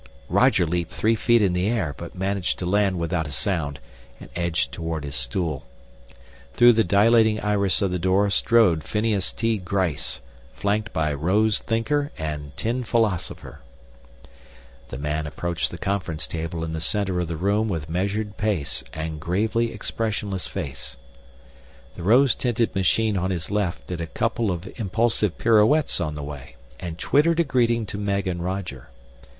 Roger leaped three feet in the air, but managed to land without a sound and edged toward his stool. Through the dilating iris of the door strode Phineas T. Gryce, flanked by Rose Thinker and Tin Philosopher. The man approached the conference table in the center of the room with measured pace and gravely expressionless face. The rose tinted machine on his left did a couple of impulsive pirouettes on the way and twittered a greeting to Meg and Roger.